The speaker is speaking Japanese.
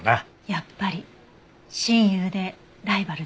やっぱり親友でライバルだった。